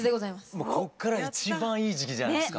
もうこっから一番いい時期じゃないですか。